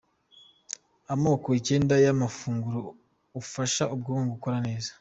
Amoko Icyenda y’amafunguro afasha ubwonko gukora neza